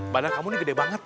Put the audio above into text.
badan kamu ini gede banget